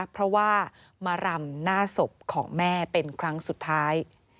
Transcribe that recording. เพราะว่ามารำหน้าศพของแม่เป็นครั้งสุดท้าย